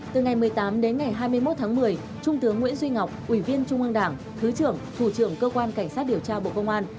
từ ngày một mươi tám đến ngày hai mươi một tháng một mươi trung tướng nguyễn duy ngọc ủy viên trung ương đảng thứ trưởng thủ trưởng cơ quan cảnh sát điều tra bộ công an